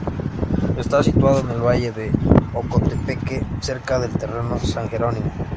Está situado en el Valle de Ocotepeque, cerca del cerro San Jerónimo.